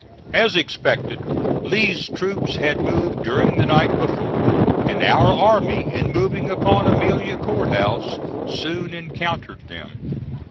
As expected, Lee's troops had moved during the night before, and our army in moving upon Amelia Court House soon encountered them.